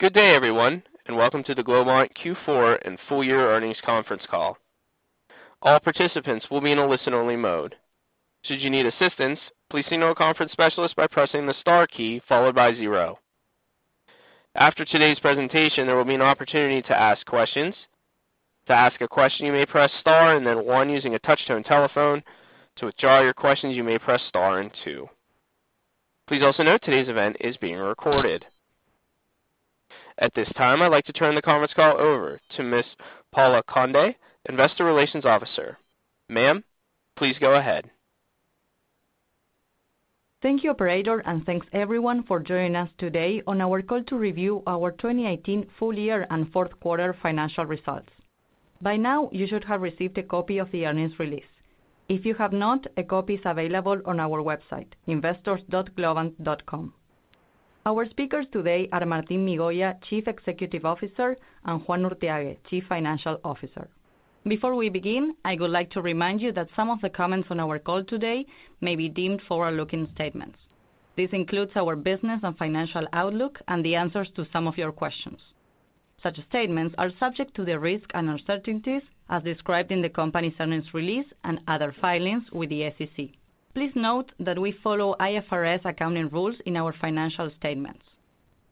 Good day everyone, welcome to the Globant Q4 and full year earnings conference call. All participants will be in a listen-only mode. Should you need assistance, please signal a conference specialist by pressing the star key followed by 0. After today's presentation, there will be an opportunity to ask questions. To ask a question, you may press star then 1 using a touch-tone telephone. To withdraw your questions, you may press star and 2. Please also note today's event is being recorded. At this time, I'd like to turn the conference call over to Miss Paula Conde, Investor Relations Officer. Ma'am, please go ahead. Thank you, operator, thanks everyone for joining us today on our call to review our 2018 full year and fourth quarter financial results. By now, you should have received a copy of the earnings release. If you have not, a copy is available on our website, investors.globant.com. Our speakers today are Martín Migoya, Chief Executive Officer, and Juan Urthiague, Chief Financial Officer. Before we begin, I would like to remind you that some of the comments on our call today may be deemed forward-looking statements. This includes our business and financial outlook and the answers to some of your questions. Such statements are subject to the risks and uncertainties as described in the company's earnings release and other filings with the SEC. Please note that we follow IFRS accounting rules in our financial statements.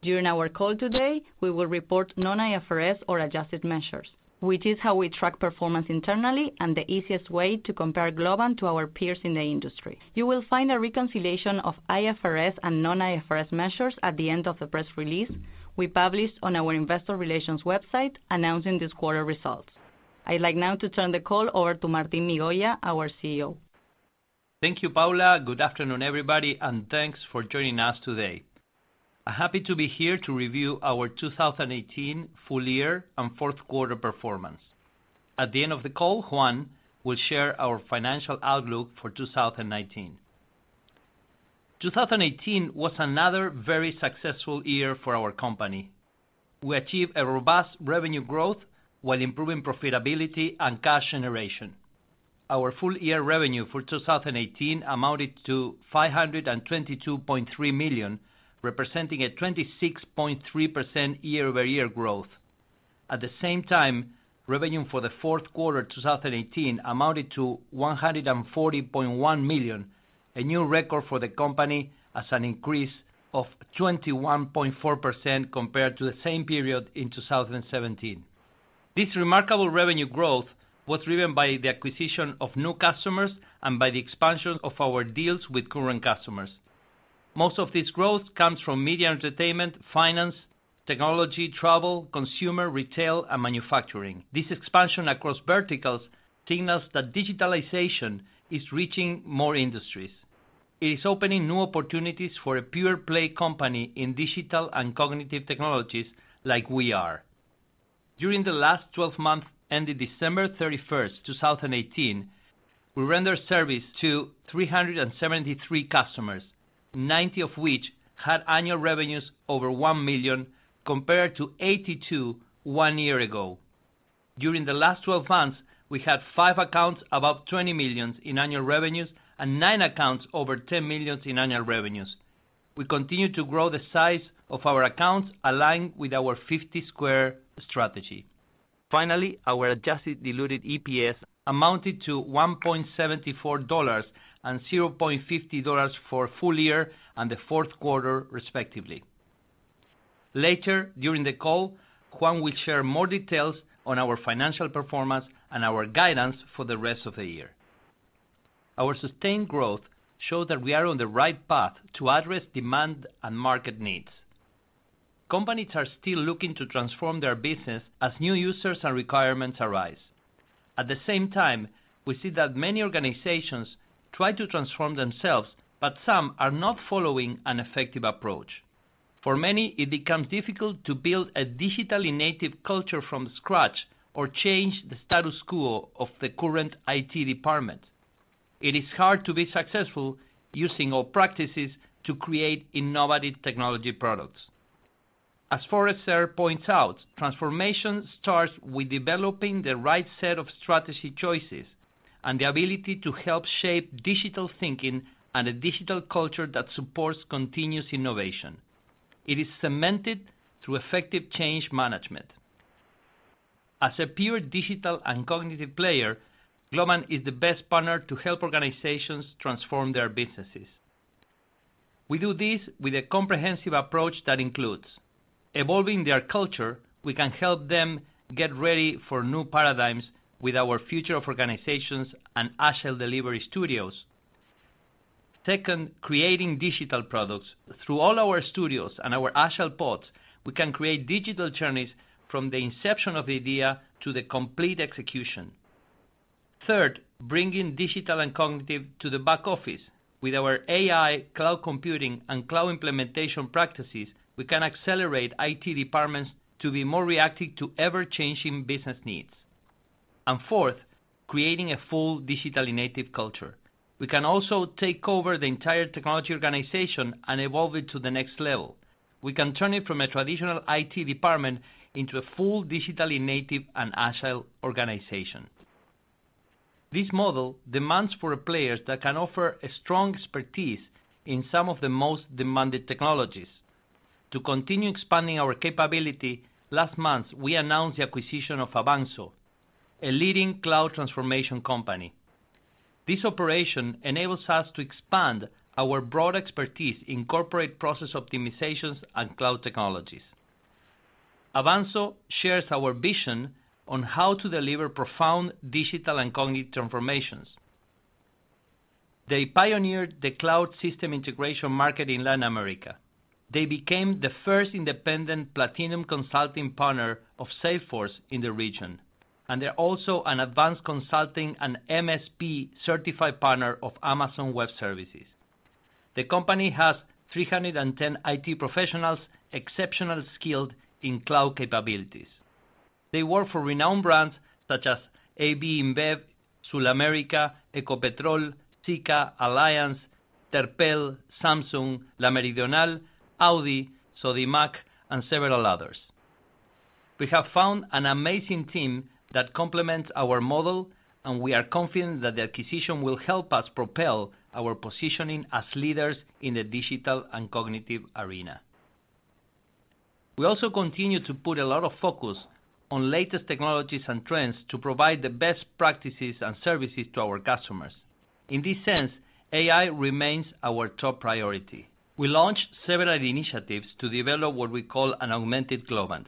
During our call today, we will report non-IFRS or adjusted measures, which is how we track performance internally and the easiest way to compare Globant to our peers in the industry. You will find a reconciliation of IFRS and non-IFRS measures at the end of the press release we published on our investor relations website announcing this quarter results. I'd like now to turn the call over to Martín Migoya, our CEO. Thank you, Paula. Good afternoon, everybody, thanks for joining us today. I'm happy to be here to review our 2018 full year and fourth quarter performance. At the end of the call, Juan will share our financial outlook for 2019. 2018 was another very successful year for our company. We achieved a robust revenue growth while improving profitability and cash generation. Our full-year revenue for 2018 amounted to $522.3 million, representing a 26.3% year-over-year growth. At the same time, revenue for the fourth quarter 2018 amounted to $140.1 million, a new record for the company as an increase of 21.4% compared to the same period in 2017. This remarkable revenue growth was driven by the acquisition of new customers and by the expansion of our deals with current customers. Most of this growth comes from media entertainment, finance, technology, travel, consumer, retail, and manufacturing. This expansion across verticals signals that digitalization is reaching more industries. It is opening new opportunities for a pure-play company in digital and cognitive technologies like we are. During the last 12 months ending December 31st, 2018, we rendered service to 373 customers, 90 of which had annual revenues over $1 million, compared to 82 one year ago. During the last 12 months, we had five accounts above $20 million in annual revenues and nine accounts over $10 million in annual revenues. We continue to grow the size of our accounts, aligned with our 50-Squared strategy. Finally, our adjusted diluted EPS amounted to $1.74 and $0.50 for full year and the fourth quarter, respectively. Later, during the call, Juan will share more details on our financial performance and our guidance for the rest of the year. Our sustained growth shows that we are on the right path to address demand and market needs. Companies are still looking to transform their business as new users and requirements arise. At the same time, we see that many organizations try to transform themselves, but some are not following an effective approach. For many, it becomes difficult to build a digitally native culture from scratch or change the status quo of the current IT department. It is hard to be successful using all practices to create innovative technology products. As Forrester points out, transformation starts with developing the right set of strategy choices and the ability to help shape digital thinking and a digital culture that supports continuous innovation. It is cemented through effective change management. As a pure digital and cognitive player, Globant is the best partner to help organizations transform their businesses. We do this with a comprehensive approach that includes evolving their culture. We can help them get ready for new paradigms with our Future of Organizations and Agile Delivery studios. Second, creating digital products. Through all our studios and our agile pods, we can create digital journeys from the inception of the idea to the complete execution. Third, bringing digital and cognitive to the back office. With our AI, cloud computing, and cloud implementation practices, we can accelerate IT departments to be more reactive to ever-changing business needs. Fourth, creating a full digitally native culture. We can also take over the entire technology organization and evolve it to the next level. We can turn it from a traditional IT department into a full digitally native and agile organization. This model demands for players that can offer a strong expertise in some of the most demanded technologies. To continue expanding our capability, last month, we announced the acquisition of Avanxo, a leading cloud transformation company. This operation enables us to expand our broad expertise in corporate process optimizations and cloud technologies. Avanxo shares our vision on how to deliver profound digital and cognitive transformations. They pioneered the cloud system integration market in Latin America. They became the first independent platinum consulting partner of Salesforce in the region, and they're also an advanced consulting and MSP certified partner of Amazon Web Services. The company has 310 IT professionals, exceptional skilled in cloud capabilities. They work for renowned brands such as AB InBev, SulAmérica, Ecopetrol, Sika, Allianz, Terpel, Samsung, La Meridional, Audi, Sodimac, and several others. We have found an amazing team that complements our model, and we are confident that the acquisition will help us propel our positioning as leaders in the digital and cognitive arena. We also continue to put a lot of focus on latest technologies and trends to provide the best practices and services to our customers. In this sense, AI remains our top priority. We launched several initiatives to develop what we call an augmented Globant.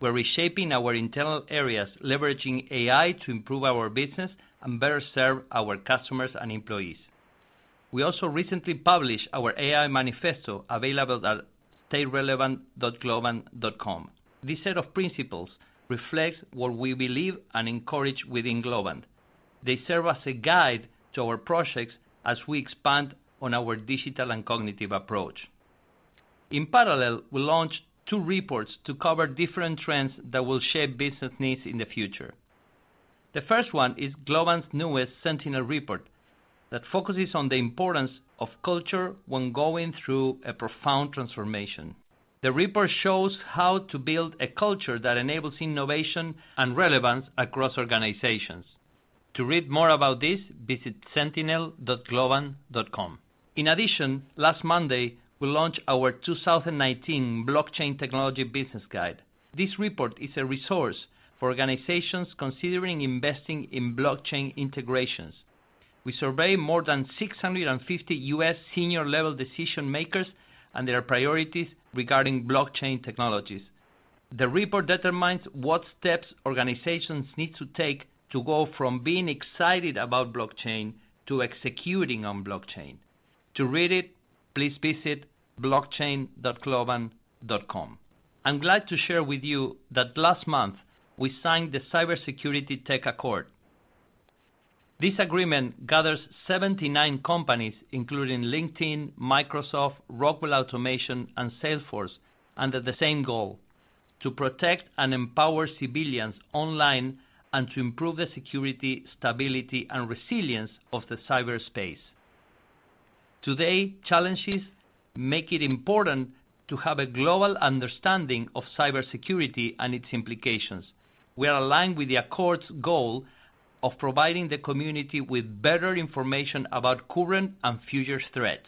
We're reshaping our internal areas, leveraging AI to improve our business and better serve our customers and employees. We also recently published our AI Manifesto available at stayrelevant.globant.com. This set of principles reflects what we believe and encourage within Globant. They serve as a guide to our projects as we expand on our digital and cognitive approach. In parallel, we launched two reports to cover different trends that will shape business needs in the future. The first one is Globant's newest Sentinel Report that focuses on the importance of culture when going through a profound transformation. The report shows how to build a culture that enables innovation and relevance across organizations. To read more about this, visit sentinel.globant.com. Last Monday, we launched our 2019 Blockchain Technology Business Guide. This report is a resource for organizations considering investing in blockchain integrations. We survey more than 650 U.S. senior-level decision-makers and their priorities regarding blockchain technologies. The report determines what steps organizations need to take to go from being excited about blockchain to executing on blockchain. To read it, please visit blockchain.globant.com. I'm glad to share with you that last month we signed the Cybersecurity Tech Accord. This agreement gathers 79 companies, including LinkedIn, Microsoft, Rockwell Automation, and Salesforce, under the same goal: to protect and empower civilians online and to improve the security, stability, and resilience of the cyberspace. Today, challenges make it important to have a global understanding of cybersecurity and its implications. We are aligned with the Accord's goal of providing the community with better information about current and future threats.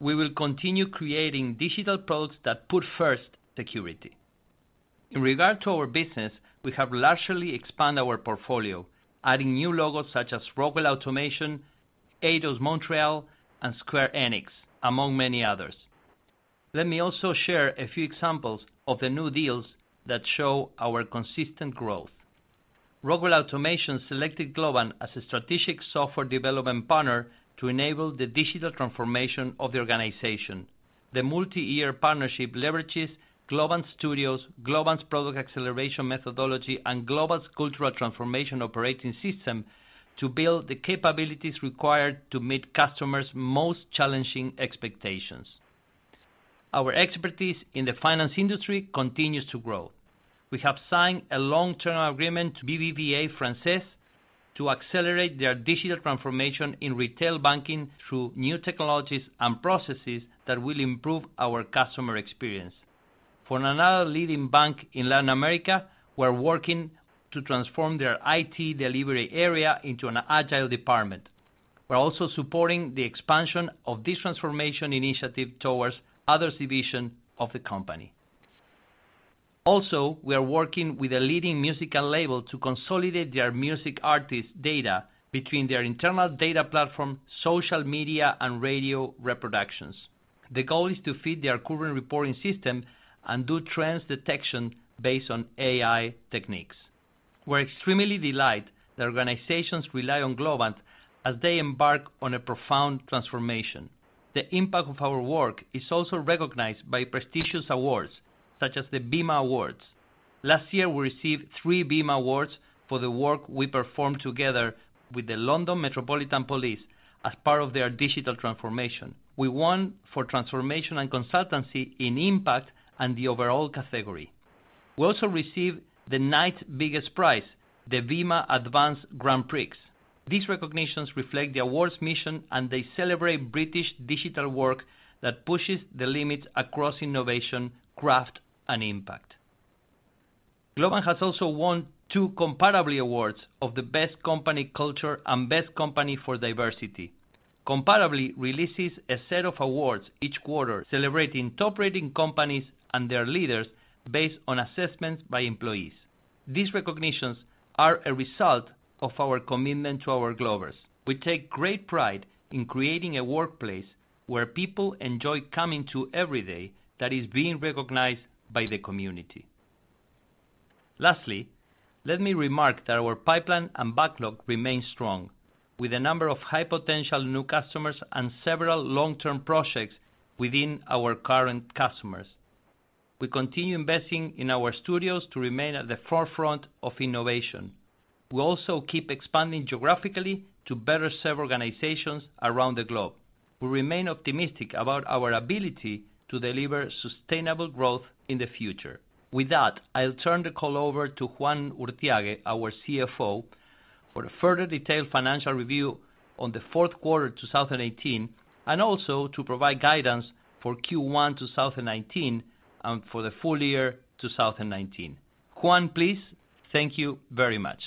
We will continue creating digital products that put first security. In regard to our business, we have largely expanded our portfolio, adding new logos such as Rockwell Automation, Eidos-Montréal, and Square Enix, among many others. Let me also share a few examples of the new deals that show our consistent growth. Rockwell Automation selected Globant as a strategic software development partner to enable the digital transformation of the organization. The multi-year partnership leverages Globant Studios, Globant's product acceleration methodology, and Globant's cultural transformation operating system to build the capabilities required to meet customers' most challenging expectations. Our expertise in the finance industry continues to grow. We have signed a long-term agreement with BBVA Francés to accelerate their digital transformation in retail banking through new technologies and processes that will improve our customer experience. For another leading bank in Latin America, we're working to transform their IT delivery area into an agile department. We're also supporting the expansion of this transformation initiative towards other divisions of the company. We are working with a leading musical label to consolidate their music artist data between their internal data platform, social media, and radio reproductions. The goal is to feed their current reporting system and do trends detection based on AI techniques. We're extremely delighted that organizations rely on Globant as they embark on a profound transformation. The impact of our work is also recognized by prestigious awards, such as the BIMA Awards. Last year, we received three BIMA Awards for the work we performed together with the London Metropolitan Police as part of their digital transformation. We won for transformation and consultancy in impact and the overall category. We also received the night's biggest prize, the BIMA Advance Grand Prix. These recognitions reflect the awards' mission. They celebrate British digital work that pushes the limits across innovation, craft, and impact. Globant has also won two Comparably awards of the Best Company Culture and Best Company for Diversity. Comparably releases a set of awards each quarter celebrating top-rated companies and their leaders based on assessments by employees. These recognitions are a result of our commitment to our Globers. We take great pride in creating a workplace where people enjoy coming to every day that is being recognized by the community. Lastly, let me remark that our pipeline and backlog remain strong, with a number of high-potential new customers and several long-term projects within our current customers. We continue investing in our studios to remain at the forefront of innovation. We also keep expanding geographically to better serve organizations around the globe. We remain optimistic about our ability to deliver sustainable growth in the future. With that, I'll turn the call over to Juan Urthiague, our CFO, for a further detailed financial review on the fourth quarter 2018, and also to provide guidance for Q1 2019 and for the full year 2019. Juan, please. Thank you very much.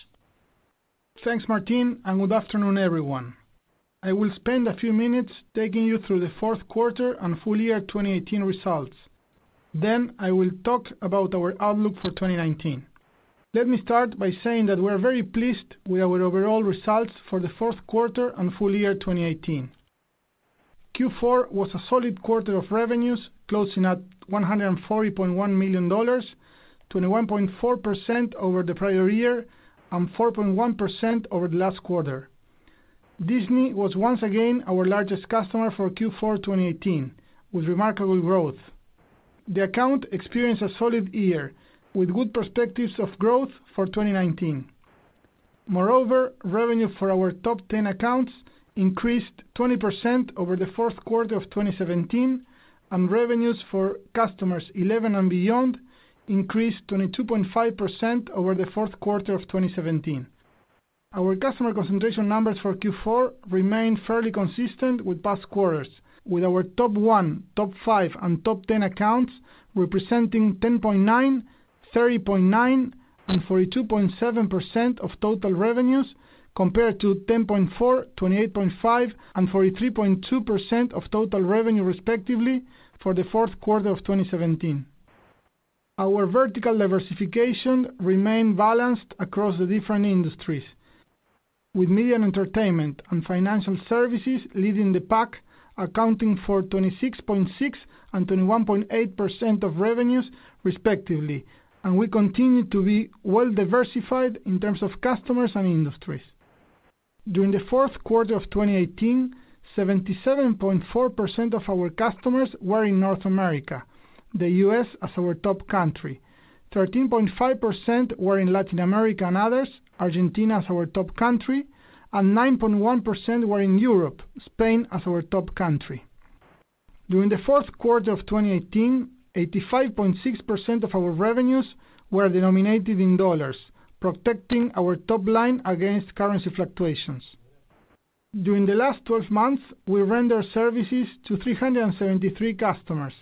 Thanks, Martín. Good afternoon, everyone. I will spend a few minutes taking you through the fourth quarter and full year 2018 results. I will talk about our outlook for 2019. Let me start by saying that we're very pleased with our overall results for the fourth quarter and full year 2018. Q4 was a solid quarter of revenues, closing at $140.1 million, 21.4% over the prior year and 4.1% over the last quarter. Disney was once again our largest customer for Q4 2018, with remarkable growth. The account experienced a solid year with good perspectives of growth for 2019. Moreover, revenue for our top 10 accounts increased 20% over the fourth quarter of 2017. Revenues for customers 11 and beyond increased 22.5% over the fourth quarter of 2017. Our customer concentration numbers for Q4 remain fairly consistent with past quarters, with our top 1, top 5, and top 10 accounts representing 10.9%, 30.9%, and 42.7% of total revenues compared to 10.4%, 28.5%, and 43.2% of total revenue respectively for the fourth quarter of 2017. Our vertical diversification remain balanced across the different industries, with media and entertainment and financial services leading the pack, accounting for 26.6% and 21.8% of revenues, respectively. We continue to be well-diversified in terms of customers and industries. During the fourth quarter of 2018, 77.4% of our customers were in North America, the U.S. as our top country. 13.5% were in Latin America. Others, Argentina as our top country. 9.1% were in Europe, Spain as our top country. During the fourth quarter of 2018, 85.6% of our revenues were denominated in dollars, protecting our top line against currency fluctuations. During the last 12 months, we rendered services to 373 customers.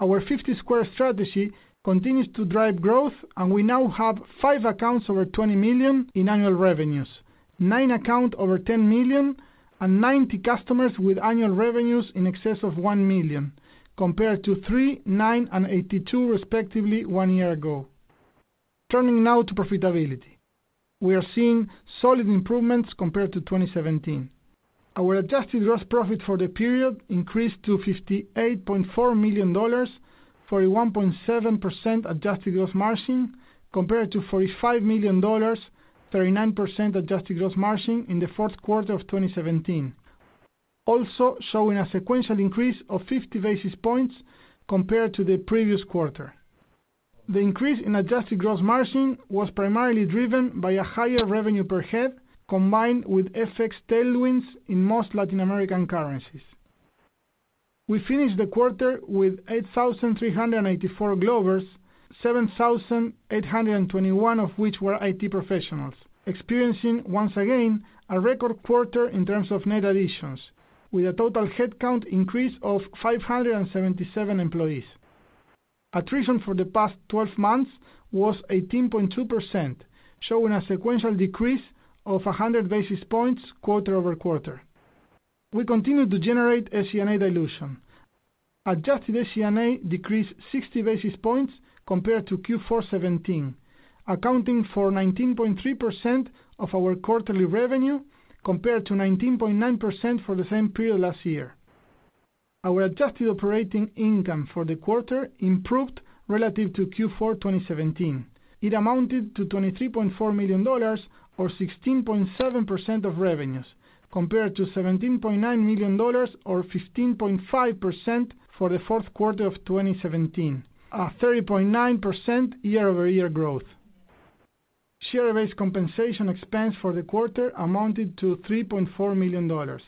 Our 50-Squared strategy continues to drive growth, and we now have five accounts over $20 million in annual revenues, nine accounts over $10 million, and 90 customers with annual revenues in excess of $1 million compared to three, nine, and 82 respectively one year ago. Turning now to profitability. We are seeing solid improvements compared to 2017. Our adjusted gross profit for the period increased to $58.4 million, 41.7% adjusted gross margin compared to $45 million, 39% adjusted gross margin in the fourth quarter of 2017. Also showing a sequential increase of 50 basis points compared to the previous quarter. The increase in adjusted gross margin was primarily driven by a higher revenue per head, combined with FX tailwinds in most Latin American currencies. We finished the quarter with 8,384 Globers, 7,821 of which were IT professionals, experiencing once again a record quarter in terms of net additions, with a total headcount increase of 577 employees. Attrition for the past 12 months was 18.2%, showing a sequential decrease of 100 basis points quarter-over-quarter. We continued to generate SG&A dilution. Adjusted SG&A decreased 60 basis points compared to Q4 2017, accounting for 19.3% of our quarterly revenue compared to 19.9% for the same period last year. Our adjusted operating income for the quarter improved relative to Q4 2017. It amounted to $23.4 million or 16.7% of revenues compared to $17.9 million or 15.5% for the fourth quarter of 2017, a 30.9% year-over-year growth. Share-based compensation expense for the quarter amounted to $3.4 million.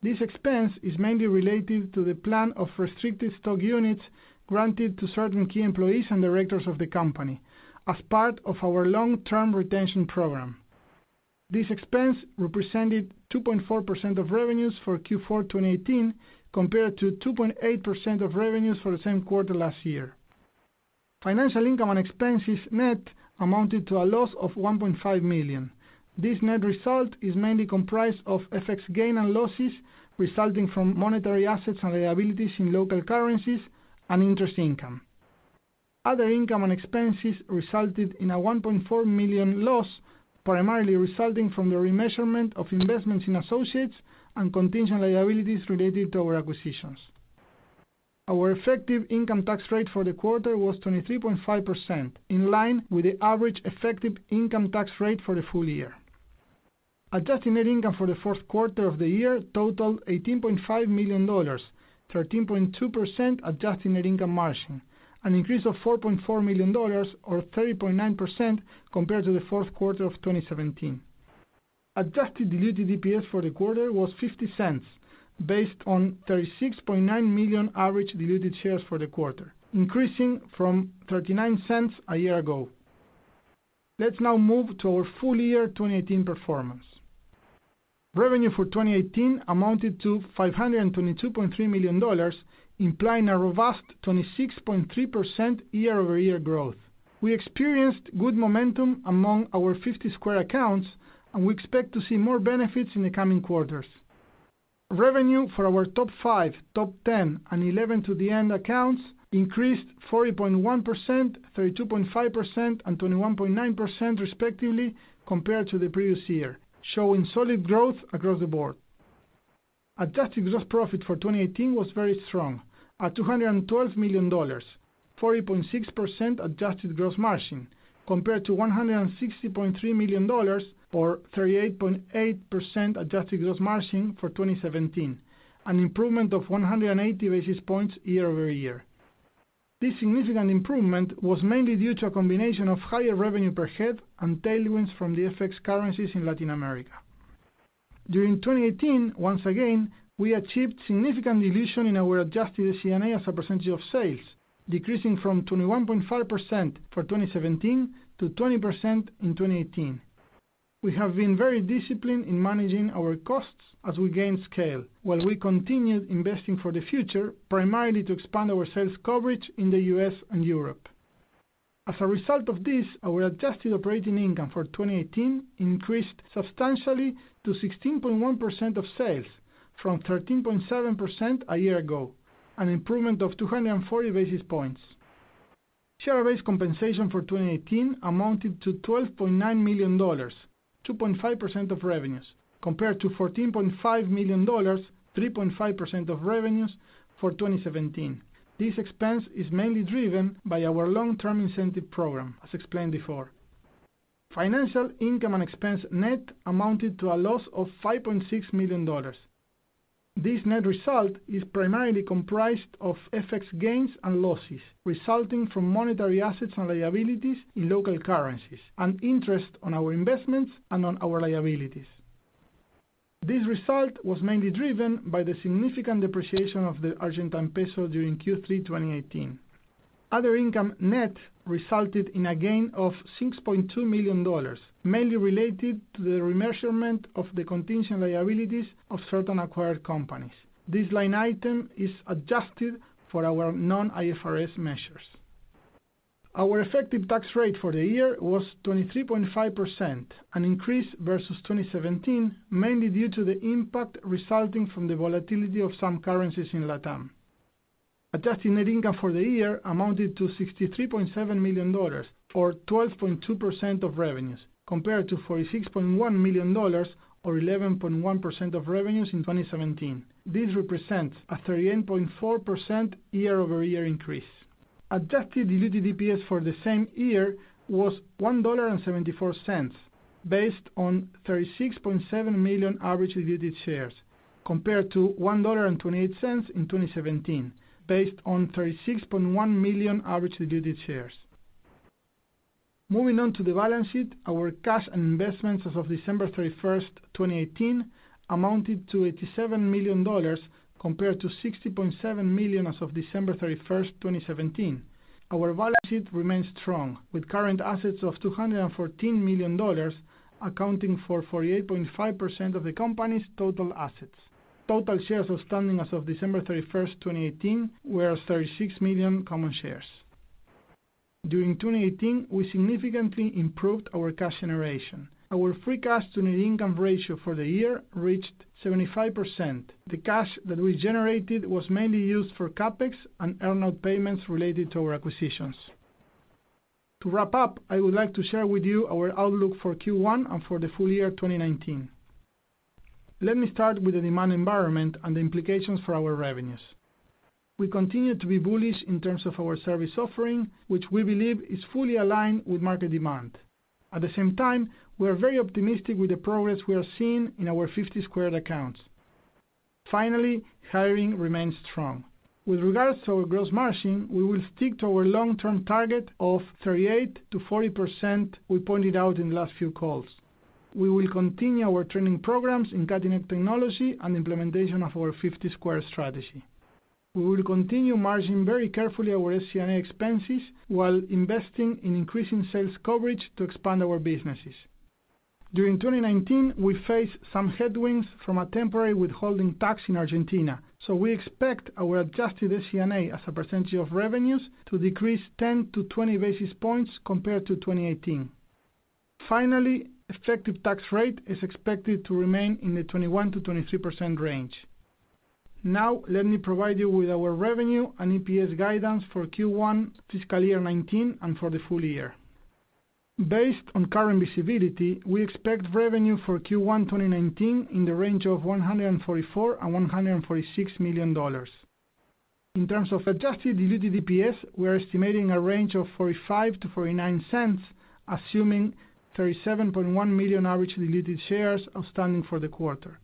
This expense is mainly related to the plan of restricted stock units granted to certain key employees and directors of the company as part of our long-term retention program. This expense represented 2.4% of revenues for Q4 2018, compared to 2.8% of revenues for the same quarter last year. Financial income and expenses net amounted to a loss of $1.5 million. This net result is mainly comprised of FX gain and losses resulting from monetary assets and liabilities in local currencies and interest income. Other income and expenses resulted in a $1.4 million loss, primarily resulting from the remeasurement of investments in associates and contingent liabilities related to our acquisitions. Our effective income tax rate for the quarter was 23.5%, in line with the average effective income tax rate for the full year. Adjusted net income for the fourth quarter of the year totaled $18.5 million, 13.2% adjusted net income margin, an increase of $4.4 million or 30.9% compared to the fourth quarter of 2017. Adjusted diluted EPS for the quarter was $0.50 based on 36.9 million average diluted shares for the quarter, increasing from $0.39 a year ago. Let's now move to our full year 2018 performance. Revenue for 2018 amounted to $522.3 million, implying a robust 26.3% year-over-year growth. We experienced good momentum among our FiftySquared accounts, and we expect to see more benefits in the coming quarters. Revenue for our top five, top 10, and 11 to the end accounts increased 40.1%, 32.5%, and 21.9%, respectively, compared to the previous year, showing solid growth across the board. Adjusted gross profit for 2018 was very strong at $212 million, 40.6% adjusted gross margin, compared to $160.3 million, or 38.8% adjusted gross margin for 2017, an improvement of 180 basis points year-over-year. This significant improvement was mainly due to a combination of higher revenue per head and tailwinds from the FX currencies in Latin America. During 2018, once again, we achieved significant dilution in our adjusted ECNA as a percentage of sales, decreasing from 21.5% for 2017 to 20% in 2018. We have been very disciplined in managing our costs as we gain scale, while we continued investing for the future, primarily to expand our sales coverage in the U.S. and Europe. As a result of this, our adjusted operating income for 2018 increased substantially to 16.1% of sales from 13.7% a year ago, an improvement of 240 basis points. Share-based compensation for 2018 amounted to $12.9 million, 2.5% of revenues, compared to $14.5 million, 3.5% of revenues for 2017. This expense is mainly driven by our long-term incentive program, as explained before. Financial income and expense net amounted to a loss of $5.6 million. This net result is primarily comprised of FX gains and losses resulting from monetary assets and liabilities in local currencies and interest on our investments and on our liabilities. This result was mainly driven by the significant depreciation of the Argentine peso during Q3 2018. Other income net resulted in a gain of $6.2 million, mainly related to the remeasurement of the contingent liabilities of certain acquired companies. This line item is adjusted for our non-IFRS measures. Our effective tax rate for the year was 23.5%, an increase versus 2017, mainly due to the impact resulting from the volatility of some currencies in LATAM. Adjusted net income for the year amounted to $63.7 million, or 12.2% of revenues, compared to $46.1 million, or 11.1% of revenues in 2017. This represents a 38.4% year-over-year increase. Adjusted diluted EPS for the same year was $1.74, based on 36.7 million average diluted shares, compared to $1.28 in 2017, based on 36.1 million average diluted shares. Moving on to the balance sheet. Our cash and investments as of December 31st, 2018 amounted to $87 million, compared to $60.7 million as of December 31st, 2017. Our balance sheet remains strong, with current assets of $214 million accounting for 48.5% of the company's total assets. Total shares outstanding as of December 31st, 2018 were 36 million common shares. During 2018, we significantly improved our cash generation. Our free cash to net income ratio for the year reached 75%. The cash that we generated was mainly used for CapEx and earnout payments related to our acquisitions. To wrap up, I would like to share with you our outlook for Q1 and for the full year 2019. Let me start with the demand environment and the implications for our revenues. We continue to be bullish in terms of our service offering, which we believe is fully aligned with market demand. At the same time, we are very optimistic with the progress we are seeing in our FiftySquared accounts. Finally, hiring remains strong. With regards to our gross margin, we will stick to our long-term target of 38%-40% we pointed out in the last few calls. We will continue our training programs in cutting-edge technology and implementation of our FiftySquared strategy. We will continue margining very carefully our SCNA expenses while investing in increasing sales coverage to expand our businesses. During 2019, we face some headwinds from a temporary withholding tax in Argentina, we expect our adjusted SG&A as a percentage of revenues to decrease 10-20 basis points compared to 2018. Finally, effective tax rate is expected to remain in the 21%-23% range. Let me provide you with our revenue and EPS guidance for Q1 fiscal year 2019 and for the full year. Based on current visibility, we expect revenue for Q1 2019 in the range of $144 million and $146 million. In terms of adjusted diluted EPS, we are estimating a range of $0.45-$0.49, assuming 37.1 million average diluted shares outstanding for the quarter.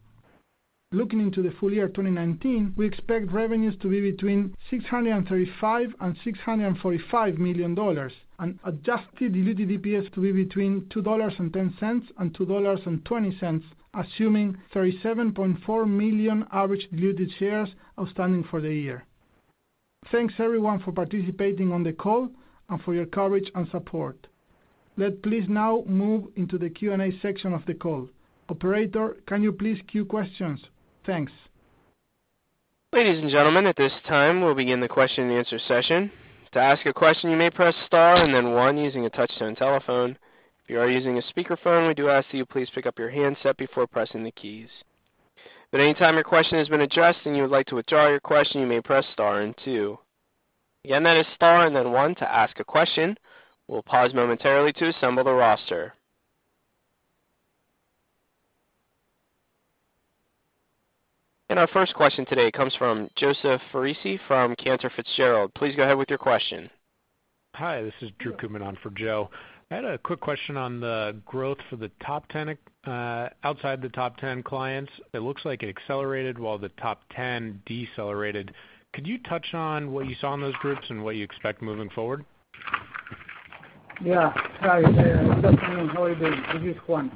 Looking into the full year 2019, we expect revenues to be between $635 million and $645 million, and adjusted diluted EPS to be between $2.10 and $2.20, assuming 37.4 million average diluted shares outstanding for the year. Thanks everyone for participating on the call and for your coverage and support. Let please now move into the Q&A section of the call. Operator, can you please queue questions? Thanks. Ladies and gentlemen, at this time, we'll begin the question and answer session. To ask a question, you may press star and then one using a touch-tone telephone. If you are using a speakerphone, we do ask you please pick up your handset before pressing the keys. Any time your question has been addressed and you would like to withdraw your question, you may press star and two. Again, that is star and then one to ask a question. We'll pause momentarily to assemble the roster. Our first question today comes from Joseph Foresi from Cantor Fitzgerald. Please go ahead with your question. Hi, this is Drew coming on for Joe. I had a quick question on the growth for the outside the top 10 clients. It looks like it accelerated while the top 10 decelerated. Could you touch on what you saw in those groups and what you expect moving forward? Yeah. Hi, definitely a good one.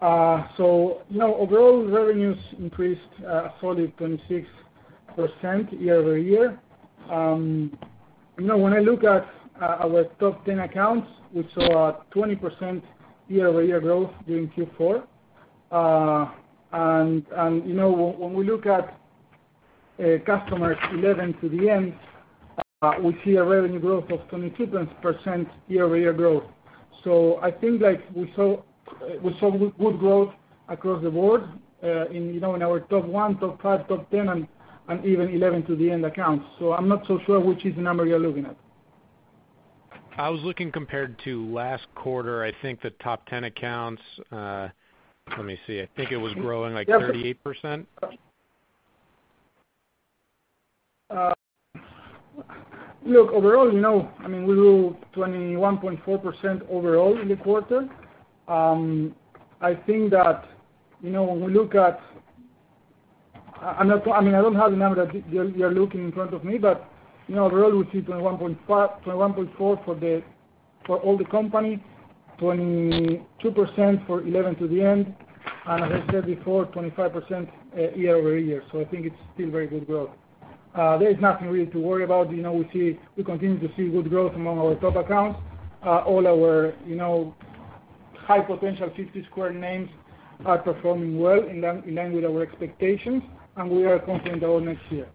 Overall revenues increased a solid 26% year-over-year. When I look at our top 10 accounts, we saw a 20% year-over-year growth during Q4. When we look at customers 11 to the end, we see a revenue growth of 22% year-over-year growth. I think that we saw good growth across the board in our top one, top five, top 10 and even 11 to the end accounts. I am not so sure which is the number you are looking at. I was looking compared to last quarter. I think the top 10 accounts. Let me see. I think it was growing like 38%. Look, overall, we grew 21.4% overall in the quarter. I do not have the number that you are looking in front of me, but overall, we see 21.4% for all the company, 22% for 11 to the end, and as I said before, 25% year-over-year. I think it is still very good growth. There is nothing really to worry about. We continue to see good growth among our top accounts. All our high potential 50-Squared names are performing well in line with our expectations, and we are confident over next year.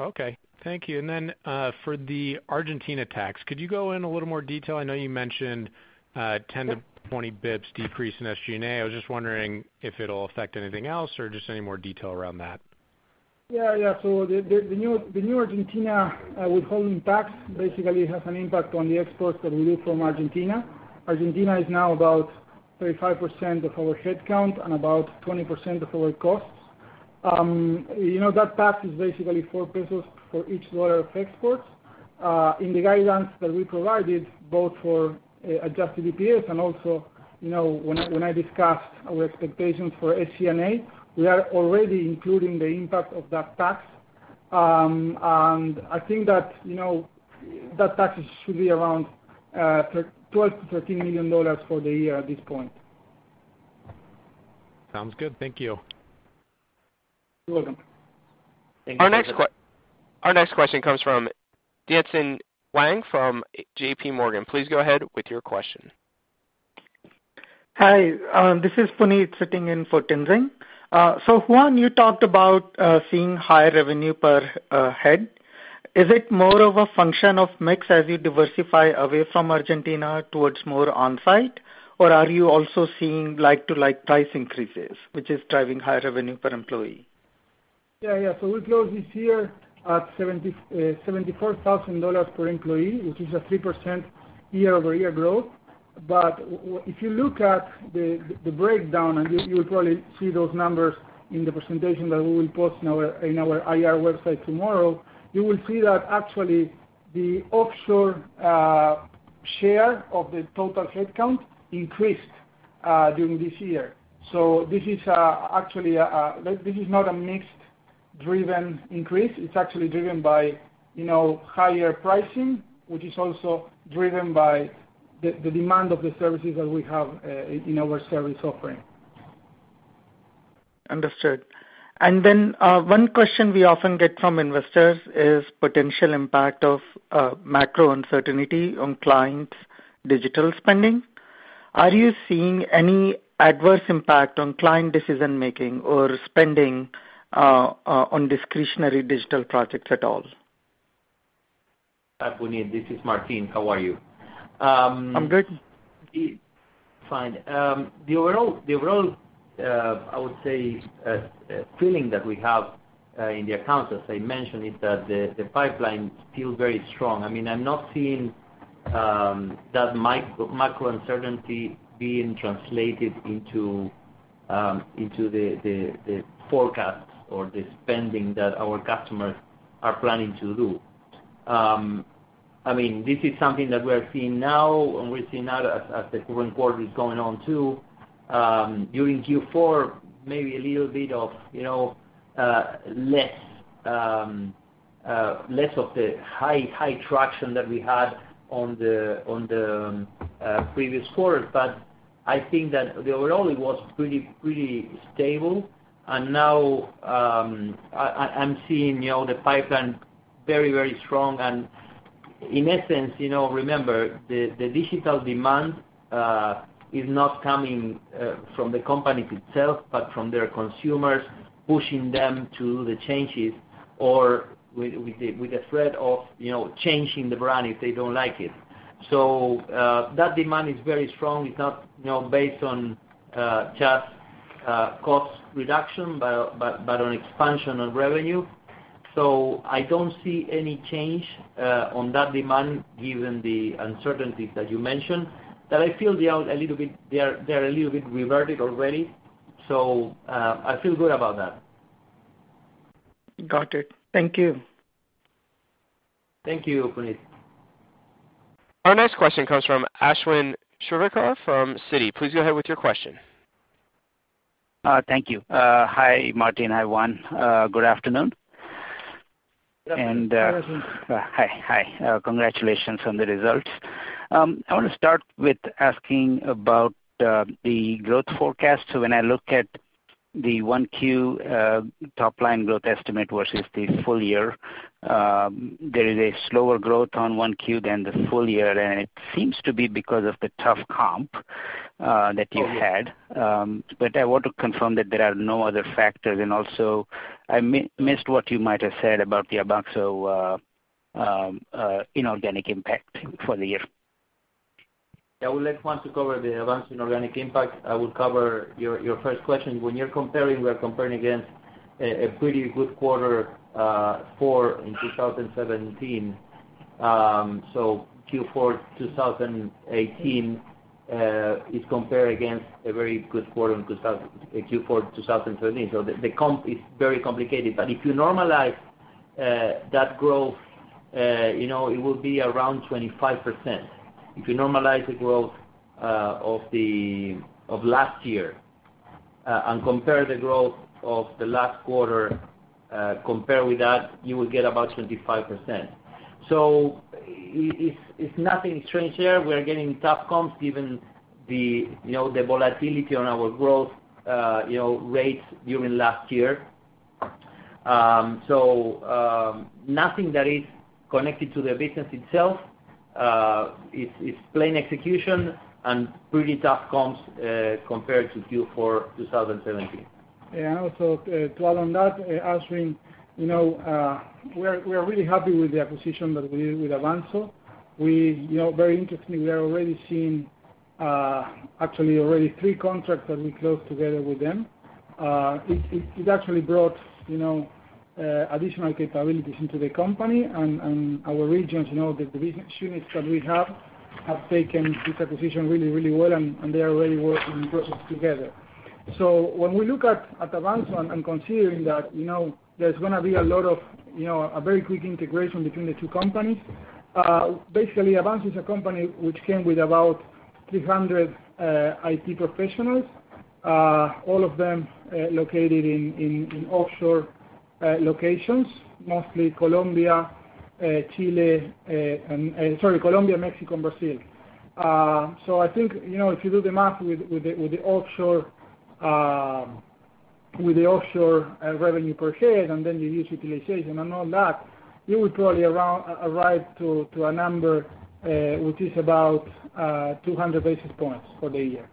Okay. Thank you. For the Argentina tax, could you go in a little more detail? I know you mentioned 10 to 20 basis points decrease in SG&A. I was just wondering if it will affect anything else or just any more detail around that. Yeah. The new Argentina withholding tax basically has an impact on the exports that we do from Argentina. Argentina is now about 35% of our headcount and about 20% of our costs. That tax is basically 4 Argentine pesos for each $ of exports. In the guidance that we provided both for adjusted EPS and also when I discussed our expectations for SG&A, we are already including the impact of that tax. I think that tax should be around $12 million-$13 million for the year at this point. Sounds good. Thank you. You're welcome. Our next question comes from Tien-Tsin Huang from J.P. Morgan. Please go ahead with your question. Hi, this is Puneet sitting in for Tien-Tsin. Juan, you talked about seeing higher revenue per head. Is it more of a function of mix as you diversify away from Argentina towards more on-site, or are you also seeing like-to-like price increases, which is driving higher revenue per employee? Yeah. We closed this year at $74,000 per employee, which is a 3% year-over-year growth. If you look at the breakdown, and you would probably see those numbers in the presentation that we will post in our IR website tomorrow, you will see that actually the offshore share of the total headcount increased during this year. This is not a mixed-driven increase. It's actually driven by higher pricing, which is also driven by the demand of the services that we have in our service offering. Understood. One question we often get from investors is potential impact of macro uncertainty on clients' digital spending. Are you seeing any adverse impact on client decision-making or spending on discretionary digital projects at all? Hi, Puneet, this is Martin. How are you? I'm good. Fine. The overall, I would say, feeling that we have in the accounts, as I mentioned, is that the pipeline is still very strong. I'm not seeing that macro uncertainty being translated into the forecast or the spending that our customers are planning to do. This is something that we are seeing now, and we're seeing now as the current quarter is going on, too. During Q4, maybe a little bit of less of the high traction that we had on the previous quarter. I think that the overall, it was pretty stable. Now, I'm seeing the pipeline very strong and in essence, remember, the digital demand is not coming from the companies itself, but from their consumers pushing them to the changes or with the threat of changing the brand if they don't like it. That demand is very strong. It's not based on just cost reduction, but on expansion of revenue. I don't see any change on that demand given the uncertainties that you mentioned. That I feel they are a little bit reverted already. I feel good about that. Got it. Thank you. Thank you, Puneet. Our next question comes from Ashwin Shirvaikar from Citi. Please go ahead with your question. Thank you. Hi, Martín. Hi, Juan. Good afternoon. Good afternoon. Hi. Congratulations on the results. When I look at the 1Q top-line growth estimate versus the full year, there is a slower growth on 1Q than the full year, and it seems to be because of the tough comp that you had. I want to confirm that there are no other factors, and also, I missed what you might have said about the Avanxo inorganic impact for the year. I would like Juan to cover the Avanxo inorganic impact. I would cover your first question. When you're comparing, we are comparing against a pretty good quarter four in 2017. Q4 2018 is compared against a very good Q4 2017. The comp is very complicated. If you normalize that growth, it will be around 25%. If you normalize the growth of last year, and compare the growth of the last quarter, compare with that, you will get about 25%. It's nothing strange there. We are getting tough comps given the volatility on our growth rates during last year. Nothing that is connected to the business itself. It's plain execution and pretty tough comps compared to Q4 2017. Yeah. Also, to add on that, Ashwin, we are really happy with the acquisition that we did with Avanxo. Very interestingly, we are actually already seeing three contracts that we closed together with them. It actually brought additional capabilities into the company and our regions, the business units that we have taken this acquisition really well, and they are already working in process together. When we look at Avanxo and considering that there's going to be a very quick integration between the two companies. Basically, Avanxo is a company which came with about 300 IT professionals, all of them located in offshore locations, mostly Colombia, Mexico, and Brazil. I think, if you do the math with the offshore revenue per head, and then you use utilization and all that, you would probably arrive to a number which is about 200 basis points for the year.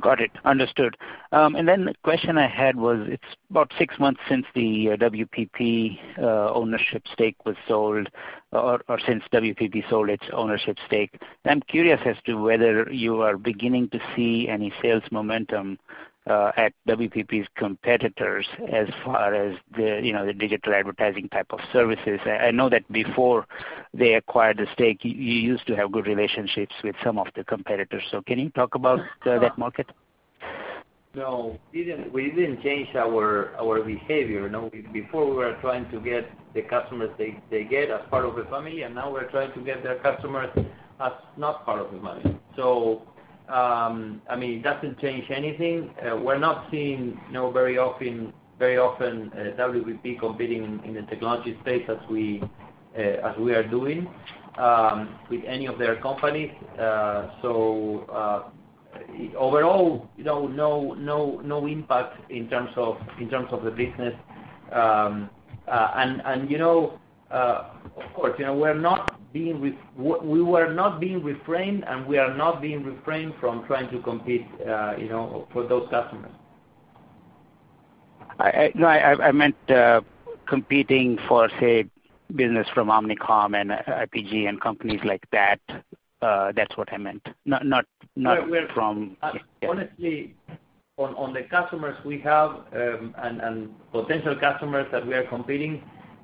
Got it. Understood. The question I had was, it's about six months since the WPP ownership stake was sold, or since WPP sold its ownership stake. I'm curious as to whether you are beginning to see any sales momentum at WPP's competitors as far as the digital advertising type of services. I know that before they acquired the stake, you used to have good relationships with some of the competitors. Can you talk about that market? No, we didn't change our behavior. Before, we were trying to get the customers they get as part of a family, now we're trying to get their customers as not part of the family. It doesn't change anything. We're not seeing very often WPP competing in the technology space as we are doing with any of their companies. Overall, no impact in terms of the business. Of course, we were not being refrained, we are not being refrained from trying to compete for those customers. No, I meant competing for, say, business from Omnicom, IPG, and companies like that. That's what I meant. Honestly, on the customers we have and potential customers that we are competing,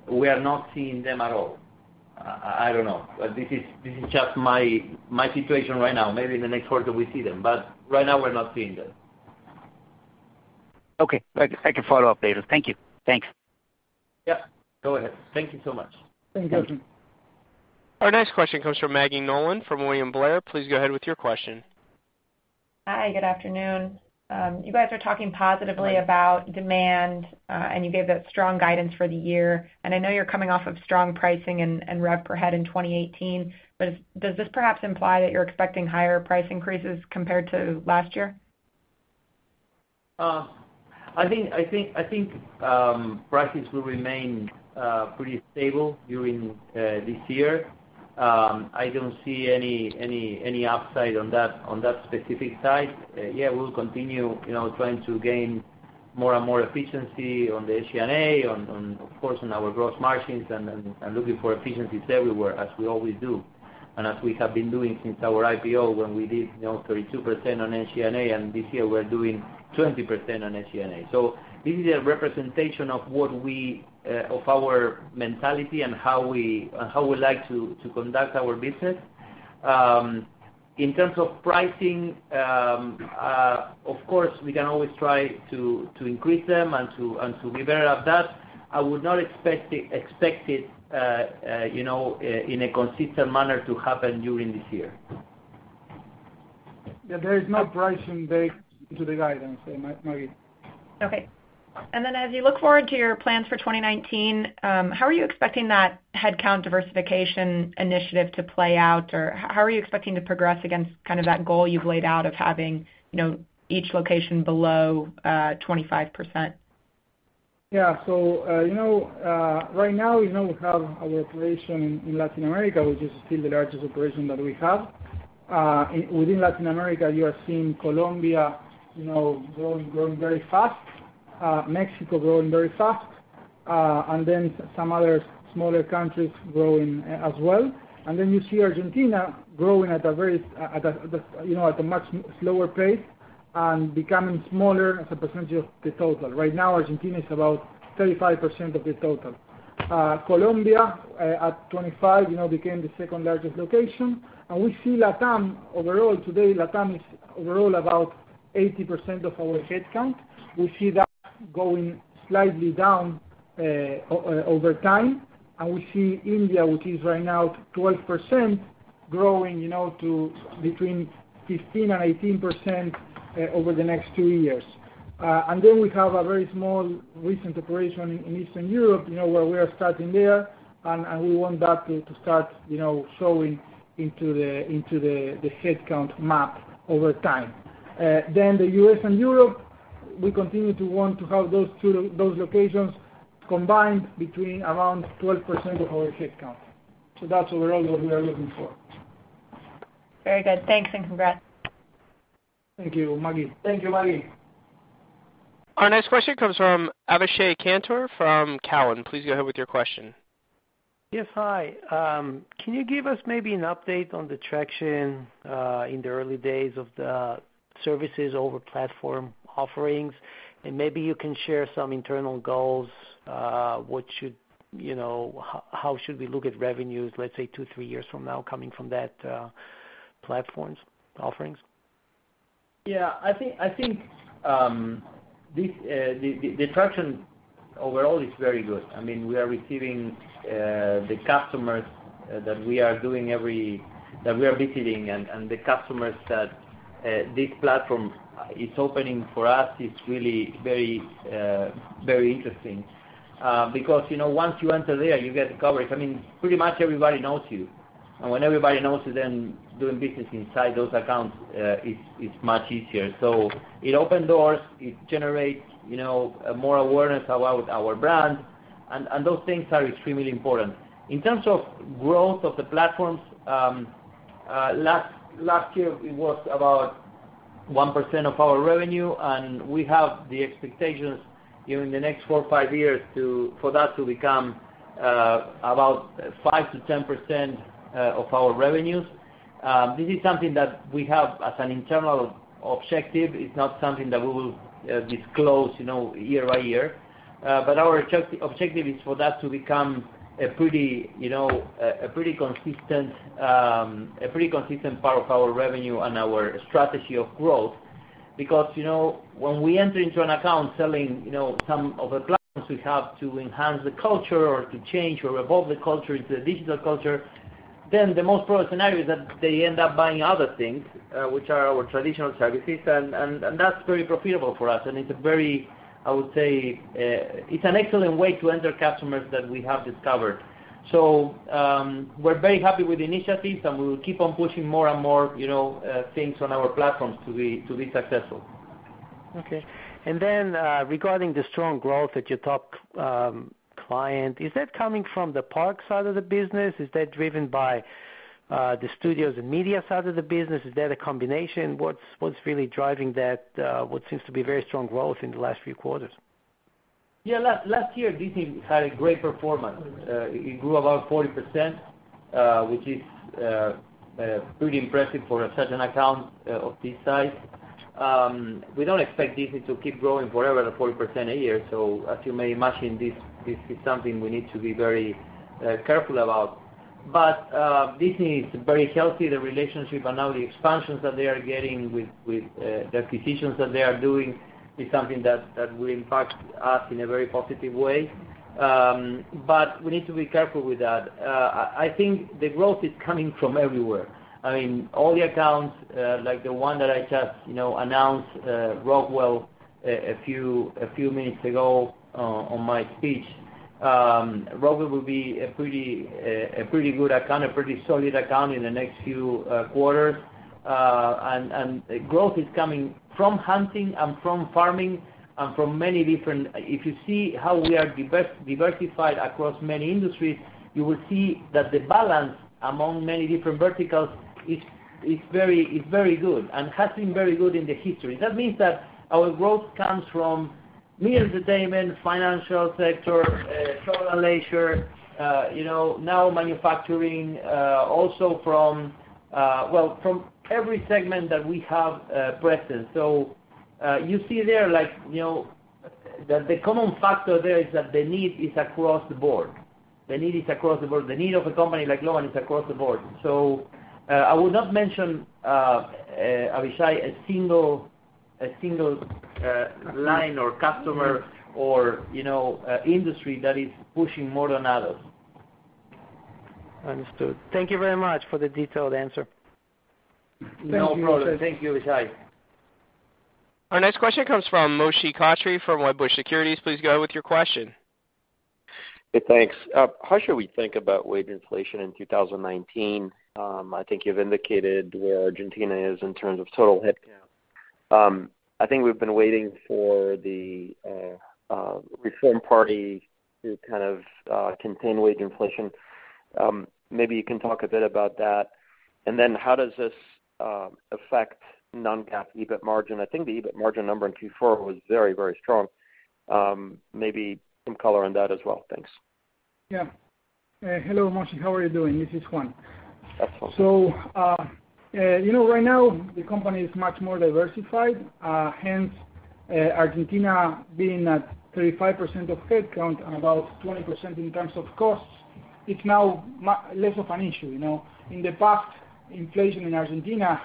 we are not seeing them at all. I don't know. This is just my situation right now. Maybe in the next quarter we see them, but right now we're not seeing them. Okay. I can follow up later. Thank you. Thanks. Yeah, go ahead. Thank you so much. Thank you. Our next question comes from Maggie Nolan from William Blair. Please go ahead with your question. Hi, good afternoon. You guys are talking positively about demand, you gave that strong guidance for the year. I know you're coming off of strong pricing and rev per head in 2018, does this perhaps imply that you're expecting higher price increases compared to last year? I think prices will remain pretty stable during this year. I don't see any upside on that specific side. Yeah, we'll continue trying to gain more and more efficiency on the SG&A, of course, on our gross margins, looking for efficiencies everywhere as we always do. As we have been doing since our IPO, when we did 32% on SG&A, this year we're doing 20% on SG&A. This is a representation of our mentality and how we like to conduct our business. In terms of pricing, of course, we can always try to increase them and to be better at that. I would not expect it in a consistent manner to happen during this year. Yeah, there is no pricing baked into the guidance, Maggie. Okay. As you look forward to your plans for 2019, how are you expecting that headcount diversification initiative to play out? How are you expecting to progress against that goal you've laid out of having each location below 25%? Yeah. Right now, we have our operation in Latin America, which is still the largest operation that we have. Within Latin America, you are seeing Colombia growing very fast, Mexico growing very fast, some other smaller countries growing as well. You see Argentina growing at a much slower pace and becoming smaller as a percentage of the total. Right now, Argentina is about 35% of the total. Colombia, at 25%, became the second-largest location. We see Latam overall today, Latam is overall about 80% of our headcount. We see that going slightly down over time. We see India, which is right now 12%, growing to between 15%-18% over the next two years. We have a very small recent operation in Eastern Europe, where we are starting there, and we want that to start showing into the headcount map over time. The U.S. and Europe, we continue to want to have those two locations combined between around 12% of our headcount. That's overall what we are looking for. Very good. Thanks and congrats. Thank you, Maggie. Thank you, Maggie. Our next question comes from Abhishek Cantor from Cowen. Please go ahead with your question. Yes, hi. Can you give us maybe an update on the traction in the early days of the services over platform offerings? Maybe you can share some internal goals, how should we look at revenues, let's say, two, three years from now coming from that platforms offerings? Yeah, I think the traction overall is very good. We are receiving the customers that we are visiting, and the customers that this platform is opening for us, it's really very interesting. Once you enter there, you get coverage. Pretty much everybody knows you. When everybody knows you, then doing business inside those accounts is much easier. It opens doors, it generates more awareness about our brand, and those things are extremely important. In terms of growth of the platforms, last year it was about 1% of our revenue, and we have the expectations during the next four or five years for that to become about 5%-10% of our revenues. This is something that we have as an internal objective. It's not something that we will disclose year by year. Our objective is for that to become a pretty consistent part of our revenue and our strategy of growth. When we enter into an account selling some of the platforms we have to enhance the culture or to change or evolve the culture into a digital culture, then the most probable scenario is that they end up buying other things, which are our traditional services, That's very profitable for us, It's a very, I would say, it's an excellent way to enter customers that we have discovered. So, we're very happy with the initiatives, We will keep on pushing more and more things on our platforms to be successful. Okay. Regarding the strong growth that you talked, client, is that coming from the park side of the business? Is that driven by the studios and media side of the business? Is that a combination? What's really driving that what seems to be very strong growth in the last few quarters? Last year, Disney had a great performance. It grew about 40%, which is pretty impressive for such an account of this size. We don't expect Disney to keep growing forever at 40% a year, as you may imagine, this is something we need to be very careful about. Disney is very healthy. The relationship and now the expansions that they are getting with the acquisitions that they are doing is something that will impact us in a very positive way. We need to be careful with that. I think the growth is coming from everywhere. All the accounts, like the one that I just announced, Rockwell, a few minutes ago on my speech. Rockwell will be a pretty good account, a pretty solid account in the next few quarters. Growth is coming from hunting and from farming and from many different. If you see how we are diversified across many industries, you will see that the balance among many different verticals is very good and has been very good in the history. That means that our growth comes from media and entertainment, financial sector, travel and leisure, now manufacturing, also from every segment that we have present. You see there, that the common factor there is that the need is across the board. The need of a company like Globant is across the board. I would not mention, Abhishek, a single line or customer or industry that is pushing more than others. Understood. Thank you very much for the detailed answer. No problem. Thank you, Abhishek. Our next question comes from Moshe Katri from Wedbush Securities. Please go with your question. Hey, thanks. How should we think about wage inflation in 2019? I think you've indicated where Argentina is in terms of total headcount. I think we've been waiting for the reform party to kind of contain wage inflation. Maybe you can talk a bit about that. How does this affect non-GAAP EBIT margin? I think the EBIT margin number in Q4 was very, very strong. Maybe some color on that as well. Thanks. Yeah. Hello, Moshe. How are you doing? This is Juan. Excellent. Right now the company is much more diversified. Hence, Argentina being at 35% of headcount and about 20% in terms of costs, it's now less of an issue. In the past, inflation in Argentina